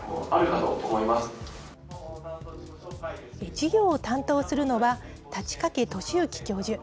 授業を担当するのは、太刀掛俊之教授。